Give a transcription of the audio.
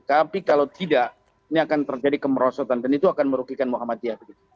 tapi kalau tidak ini akan terjadi kemerosotan dan itu akan merugikan muhammadiyah